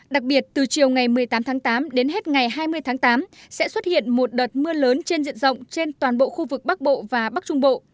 đặc biệt từ chiều ngày một mươi tám tháng tám đến hết ngày hai mươi tháng tám sẽ xuất hiện một đợt mưa lớn trên diện rộng trên toàn bộ khu vực bắc bộ và bắc trung bộ